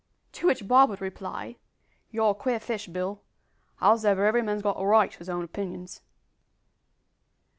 To which Bob would reply, "You're a queer fish, Bill; howsever, every man's got a right to his own opinions."